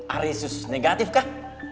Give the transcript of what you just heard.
aresus negatif kah